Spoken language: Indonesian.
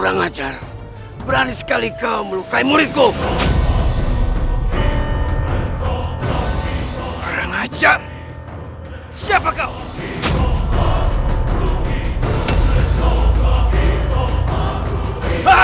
jangan lupa like share dan subscribe